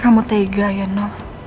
kamu tega ino